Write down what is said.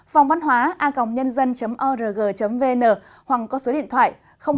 phòng văn hóa a nh org vn hoặc có số điện thoại hai nghìn bốn trăm ba mươi hai sáu trăm sáu mươi chín năm trăm linh tám